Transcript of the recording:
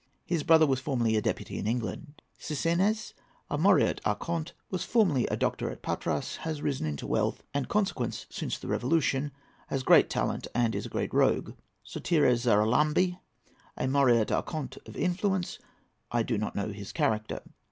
His brother was formerly a deputy in England. SISSINES.—A Moreot Archonte; was formerly a doctor at Patras; has risen into wealth and consequence since the Revolution; has great talent, and is a great rogue. SOTIRES XARALAMBI.—A Moreot Archonte of influence. I do not know his character.